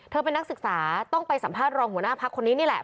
เป็นนักศึกษาต้องไปสัมภาษณ์รองหัวหน้าพักคนนี้นี่แหละ